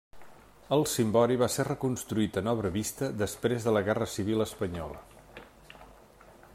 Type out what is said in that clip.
El cimbori va ser reconstruït en obra vista després de la guerra civil espanyola.